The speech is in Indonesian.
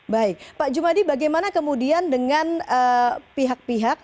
baik pak jumadi bagaimana kemudian dengan pihak pihak